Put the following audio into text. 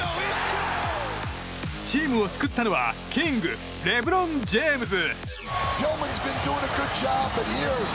チームを救ったのはキングレブロン・ジェームズ。